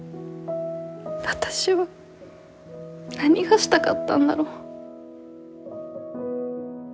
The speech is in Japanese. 私は何がしたかったんだろう。